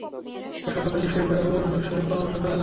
এ-সকল বিষয় লইয়া গুরুজনদের সহিত পরামর্শ চলে না।